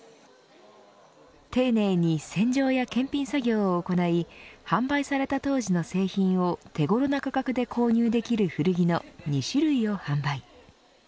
丁寧に洗浄や検品作業を行い販売された当時の製品を手頃な価格で購入できる古着の２種類を販売。